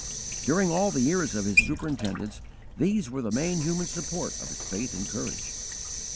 During all the years of his superintendence these were the main human support of his faith and courage.